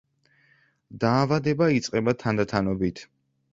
დაავადება იწყება თანდათანობით.